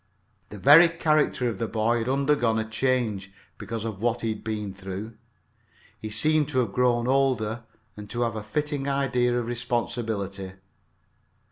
The very character of the boy had undergone a change because of what he had been through. He seemed to have grown older and to have a fitting idea of responsibility.